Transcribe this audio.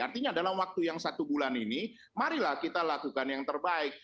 artinya dalam waktu yang satu bulan ini marilah kita lakukan yang terbaik